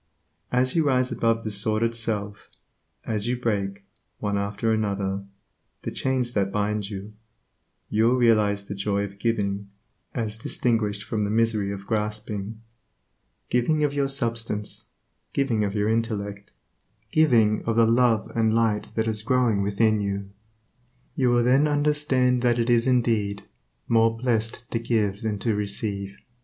As you rise above the sordid self; as you break, one after another, the chains that bind you, will you realize the joy of giving, as distinguished from the misery of grasping giving of your substance; giving of your intellect; giving of the love and light that is growing within you. You will then understand that it is indeed "more blessed to give than to receive."